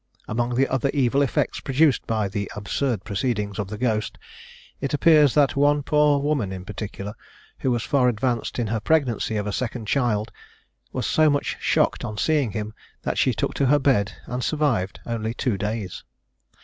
Among the other evil effects produced by the absurd proceedings of the ghost, it appears that one poor woman in particular, who was far advanced in her pregnancy of a second child, was so much shocked on seeing him, that she took to her bed, and survived only two days.